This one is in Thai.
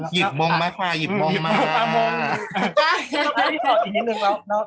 หยุดมงมาค่ะหยุดมงมา